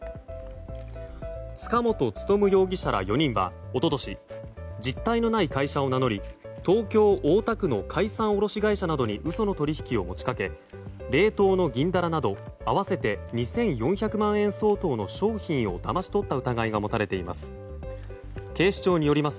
塚本勉容疑者ら４人は一昨年実体のない会社を名乗り東京・大田区の海産卸会社などに嘘の取引を持ち掛け冷凍の銀ダラなど合わせて２４００万円相当の商品をだまし取った疑いが持たれています。